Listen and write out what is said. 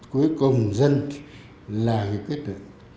cuối cùng dân là quyết định